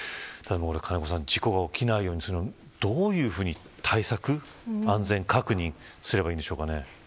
金子さん事故が起きないようにするにはどういうふうに対策安全確認をすればいいんでしょうかね。